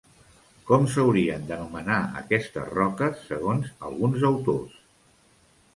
Com s'haurien d'anomenar aquestes roques segons alguns autors?